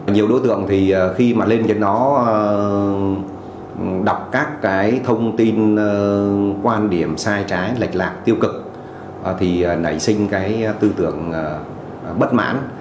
nhiều đối tượng thì khi mà lên trên nó đọc các cái thông tin quan điểm sai trái lệch lạc tiêu cực thì nảy sinh cái tư tưởng bất mãn